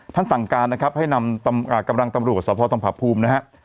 สั่งการนะครับให้นำกำลังตำรวจสภทองผาภูมินะฮะ